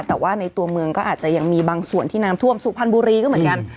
แต่ว่าในตัวเมืองก็อาจจะยังมีบางส่วนที่น้ำท่วมสุพรรณบุรีก็เหมือนกัน